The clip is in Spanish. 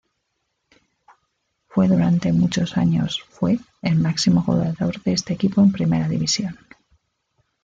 Fue durante muchos años fue el máximo goleador de este equipo en Primera División.